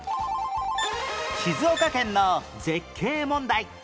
静岡県の絶景問題